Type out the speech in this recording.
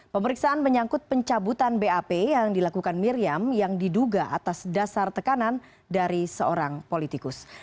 pemeriksaan menyangkut pencabutan bap yang dilakukan miriam yang diduga atas dasar tekanan dari seorang politikus